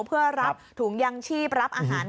เพื่อรับถุงยังชีพรับอาหาร